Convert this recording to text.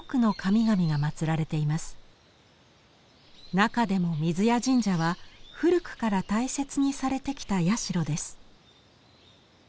中でも水谷神社は古くから大切にされてきた社です。